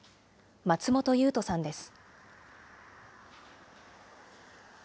松本裕斗さんです。